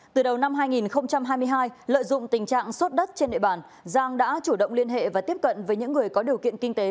từ đầu năm hai nghìn hai mươi hai lợi dụng tình trạng sốt đất trên địa bàn giang đã chủ động liên hệ và tiếp cận với những người có điều kiện kinh tế